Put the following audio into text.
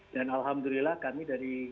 dan alhamdulillah kami dari